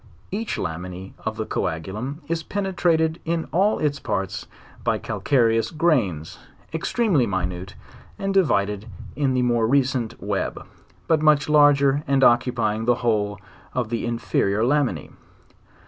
Each laminse of the coagulum is penetrated in all its parts by calcareous grains, extremely minute, and divided in the more recent web, but much larger and occupying the whole of the inferior laminse